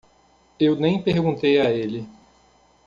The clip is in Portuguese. Eu nem perguntei a ele.